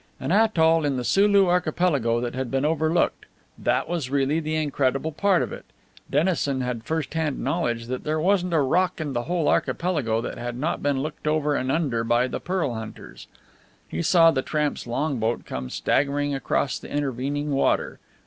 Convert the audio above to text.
An atoll in the Sulu Archipelago that had been overlooked that was really the incredible part of it. Dennison had first hand knowledge that there wasn't a rock in the whole archipelago that had not been looked over and under by the pearl hunters. He saw the tramp's longboat come staggering across the intervening water.